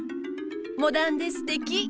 モダンですてき。